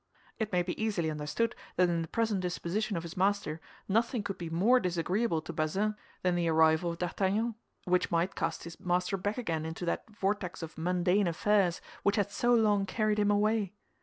It may be easily understood that in the present disposition of his master nothing could be more disagreeable to Bazin than the arrival of D'Artagnan, which might cast his master back again into that vortex of mundane affairs which had so long carried him away.